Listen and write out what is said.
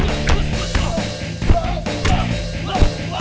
mendingan kamu sekarang jagain papi ya